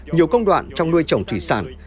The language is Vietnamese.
nhiều công đoạn trong nuôi trồng thủy sản